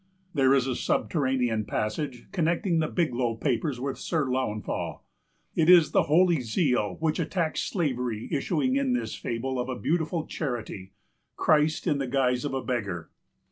There is a subterranean passage connecting the Biglow Papers with Sir Launfal; it is the holy zeal which attacks slavery issuing in this fable of a beautiful charity, Christ in the guise of a beggar.